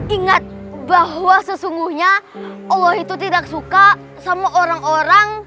ingat bahwa sesungguhnya allah itu tidak suka sama orang orang